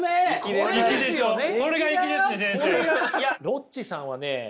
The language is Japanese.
ロッチさんはね